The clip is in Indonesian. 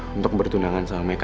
untuk bertunangan sama meka